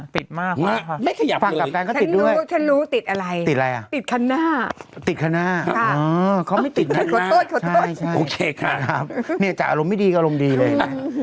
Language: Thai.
ติดมากค่ะไม่ขยับเลยฉันรู้ติดอะไรติดคันหน้าค่ะโอเคค่ะนี่จะอารมณ์ไม่ดีก็อารมณ์ดีเลย